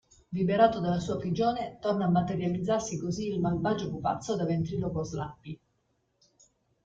Liberato dalla sua prigione, torna a materializzarsi così il malvagio pupazzo da ventriloquo Slappy.